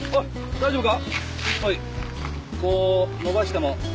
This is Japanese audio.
大丈夫だ。